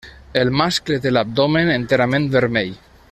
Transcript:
El mascle té l'abdomen enterament vermell.